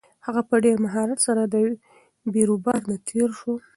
هغه په ډېر مهارت سره له بېروبار نه تېر شو.